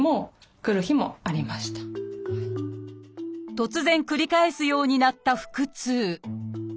突然繰り返すようになった腹痛。